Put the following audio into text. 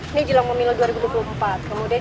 ini jelang pemilu dua ribu dua puluh empat kemudian